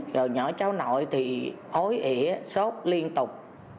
rồi nhỏ cháu nội thì ối sốt liên tục